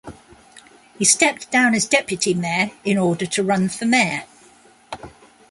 He stepped down as deputy mayor in order to run for mayor.